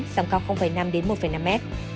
sông cao năm một năm m